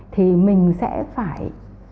thì mình sẽ phải